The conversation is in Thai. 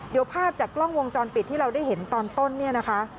เดี๋ยวภาพจากกล้องวงจรปิดที่เราได้เห็นตอนต้นเนี่ยนะคะ